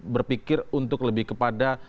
berpikir untuk lebih kepada